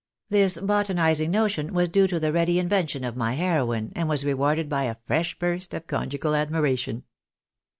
This botanising notion was due to the ready invention of my heroine, and was rewarded by a fresh burst of conjugal admiration.